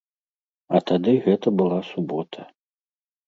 А тады гэта была субота.